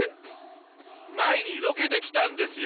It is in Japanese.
前にロケで来たんですよ。